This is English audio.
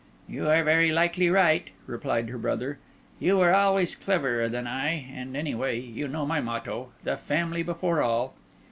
"You are very likely right," replied her brother; "you were always cleverer than I. And, anyway, you know my motto: The family before all."